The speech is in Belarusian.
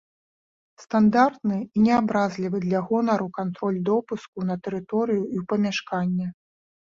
Стандартны і не абразлівы для гонару кантроль допуску на тэрыторыю і ў памяшканне.